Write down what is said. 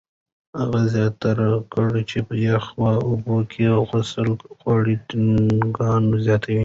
هغه زیاته کړه چې یخو اوبو کې غوطه خوړل ټکان زیاتوي.